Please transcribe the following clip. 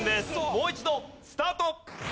もう一度スタート。